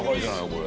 これ。